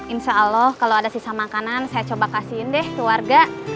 insya allah kalau ada sisa makanan saya coba kasihin deh ke warga